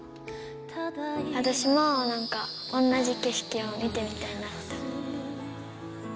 私もなんか、同じ景色を見てみたいなと思って。